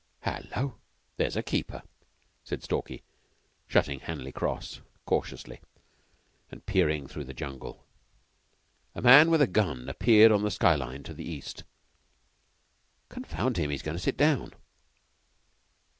"Hullo, here's a keeper," said Stalky, shutting "Handley Cross" cautiously, and peering through the jungle. A man with a gun appeared on the sky line to the east. "Confound him, he's going to sit down."